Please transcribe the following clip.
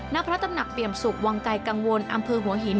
ณพระตำหนักเปี่ยมสุขวังไกลกังวลอำเภอหัวหิน